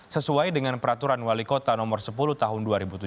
sesuai dengan peraturan wali kota nomor sepuluh tahun dua ribu tujuh belas